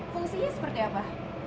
fungsinya seperti apa